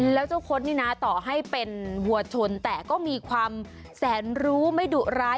แล้วเจ้าคดนี่นะต่อให้เป็นวัวชนแต่ก็มีความแสนรู้ไม่ดุร้าย